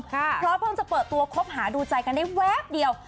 เพราะเพิ่งจะเปิดตัวคบหาดูใจกันได้แวบเดียว